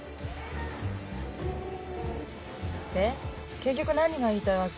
結局何が言いたいわけ？